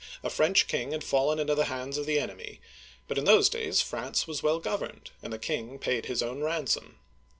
a French king had fallen into the hands of the enemy, but in those days France was well governed, and the king paid his own ransom (see page 131).